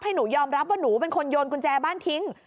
หนูยอมรับว่าหนูเป็นคนโยนกุญแจบ้านทิ้ง